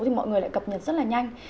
thì mọi người lại cập nhật rất là nhanh